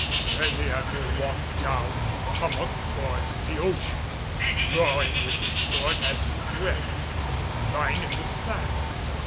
Then the Admiral walked down from the hummock towards the ocean, drawing with his sword as he went, a line in the sand!